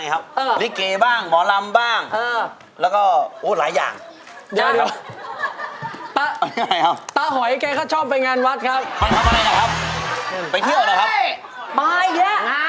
เอาจริงตรงกลายแท็กดีจริงกันลูก